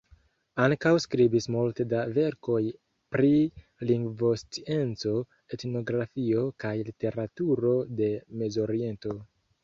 Ankaŭ skribis multe da verkoj pri lingvoscienco, etnografio, kaj literaturo de Mezoriento.